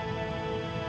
bukan cuma itu